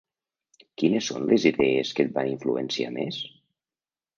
Quines són les idees que et van influenciar més?